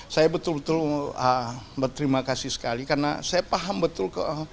saya betul betul berterima kasih sekali karena saya paham betul